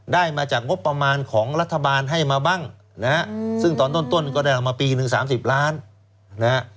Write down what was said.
ได้มาจากงบประมาณของรัฐบาลให้มาบ้างนะฮะซึ่งตอนต้นก็ได้เอามาปีหนึ่ง๓๐ล้านนะฮะ